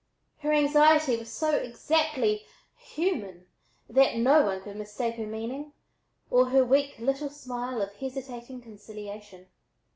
Her anxiety was so exactly human that no one could mistake her meaning or her little weak smile of hesitating conciliation.